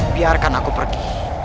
biarkan aku pergi